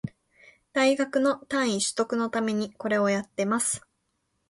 大学の単位取得のためにこれをやってます